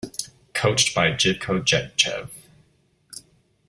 Coached by Jivko Jetchev.